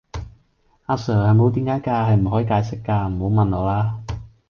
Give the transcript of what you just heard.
阿 sir, 係冇點解架,係唔可以解釋架,唔好問我啦!